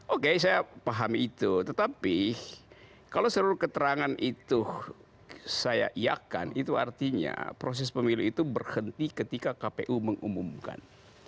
oke saya paham itu tetapi kalau seluruh keterangan itu saya iakan itu artinya proses pemilu itu berhenti ketika kpu mengumumkan